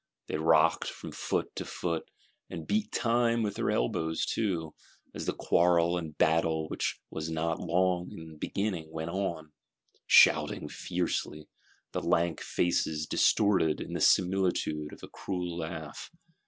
They rocked from foot to foot, and beat time with their elbows too, as the quarrel and battle which was not long in beginning went on; shouting fiercely; the lank faces distorted into the similitude of a cruel laugh.